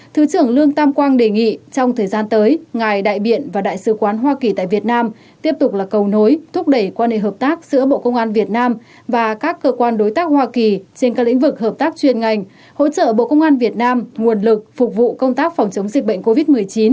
thứ trưởng lương tam quang đề nghị trong thời gian tới ngài đại biện và đại sứ quán hoa kỳ tại việt nam tiếp tục là cầu nối thúc đẩy quan hệ hợp tác giữa bộ công an việt nam và các cơ quan đối tác hoa kỳ trên các lĩnh vực hợp tác chuyên ngành hỗ trợ bộ công an việt nam nguồn lực phục vụ công tác phòng chống dịch bệnh covid một mươi chín